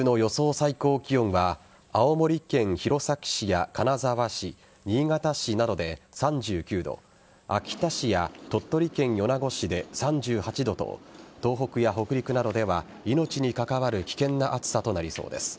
最高気温は青森県弘前市や金沢市新潟市などで３９度秋田市や鳥取県米子市で３８度と東北や北陸などでは命に関わる危険な暑さとなりそうです。